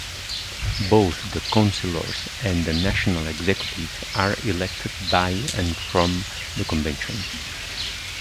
Both the Councillors and the National Executive are elected by and from the convention.